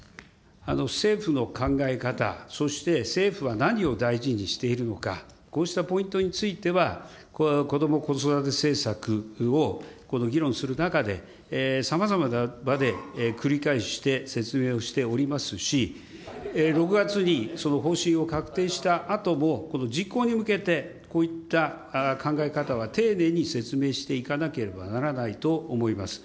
政府の考え方、そして政府は何を大事にしているのか、こうしたポイントについては、こども・子育て政策を議論する中で、さまざまな場で繰り返して説明をしておりますし、６月にその方針を確定したあとも、実行に向けて、こういった考え方は丁寧に説明していかなければならないと思います。